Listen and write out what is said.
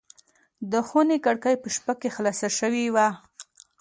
د خونې کړکۍ په شپه کې خلاصه شوې وه.